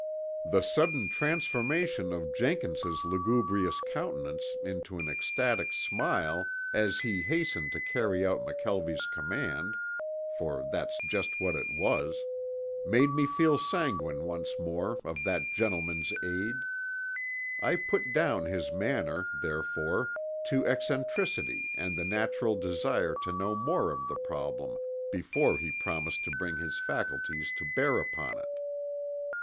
The sudden transformation of Jenkins' lugubrious countenance into an ecstatic smile as he hastened to carry out McKelvie's command, for that's just what it was, made me feel sanguine once more of that gentleman's aid. I put down his manner, therefore, to eccentricity and the natural desire to know more of the problem before he promised to bring his faculties to bear upon it.